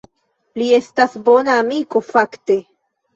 Li estas bona amiko fakte.